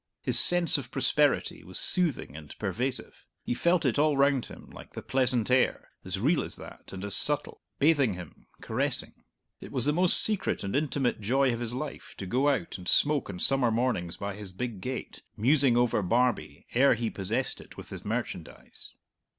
His sense of prosperity was soothing and pervasive; he felt it all round him like the pleasant air, as real as that and as subtle; bathing him, caressing. It was the most secret and intimate joy of his life to go out and smoke on summer mornings by his big gate, musing over Barbie ere he possessed it with his merchandise.